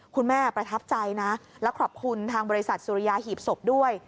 ประทับใจนะแล้วขอบคุณทางบริษัทสุริยาหีบศพด้วย